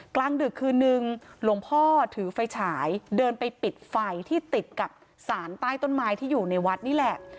กลางดึกคืนนึงหลวงพ่อถือไฟฉายเดินไปปิดไฟที่ติดกับสารใต้ต้นไม้ที่อยู่ในวัดนี่แหละ